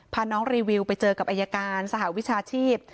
พาน้องรีวิวไปเจอกับอายการสหวิชาชีพ